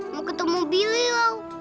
mau ketemu beliau